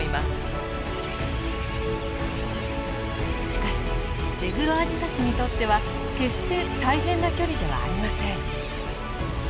しかしセグロアジサシにとっては決して大変な距離ではありません。